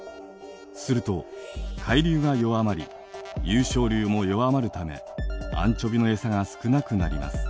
すると海流が弱まり湧昇流も弱まるためアンチョビの餌が少なくなります。